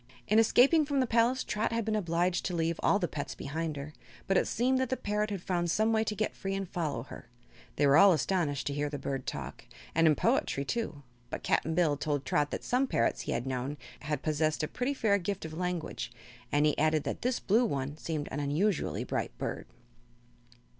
In escaping from the palace Trot had been obliged to leave all the pets behind her, but it seemed that the parrot had found some way to get free and follow her. They were all astonished to hear the bird talk and in poetry, too but Cap'n Bill told Trot that some parrots he had known had possessed a pretty fair gift of language, and he added that this blue one seemed an unusually bright bird.